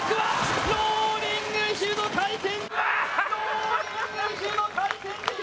ローリングヒルの回転！